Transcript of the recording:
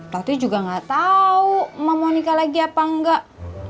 tati juga gak tau emang mau nikah lagi apa enggak